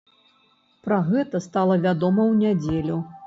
Пра гэта стала вядома ў нядзелю.